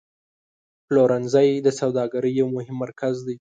پلورنځی د سوداګرۍ یو مهم مرکز دی.